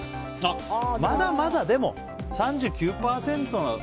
まだまだでも、３９％は。